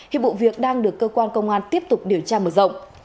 hiệp vụ việc đang được cơ quan công an tiếp tục điều tra mở rộng